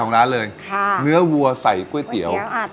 ตั้งเองไง